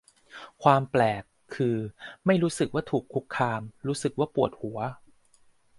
ความแปลก คือ ไม่รู้สึกว่าถูกคุกคาม รู้สึกว่าปวดหัว